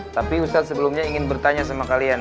tapi ustadz sebelumnya ingin bertanya sama kalian